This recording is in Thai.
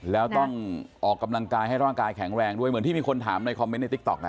แล้วต้องออกกำลังกายให้ร่างกายแข็งแรงด้วยเหมือนที่มีคนถามในคอมเมนต์ในติ๊กต๊อก